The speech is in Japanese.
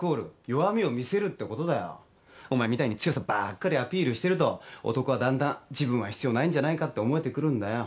お前みたいに強さばっかりアピールしてると男はだんだん自分は必要ないんじゃないかって思えてくるんだよ。